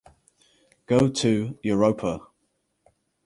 Go to Europa.